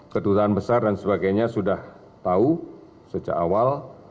kedutaan besar dan sebagainya sudah tahu sejak awal